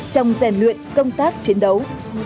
trong rèn luyện công tác chiến đấu